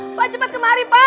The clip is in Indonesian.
pak pak cepat kemari pak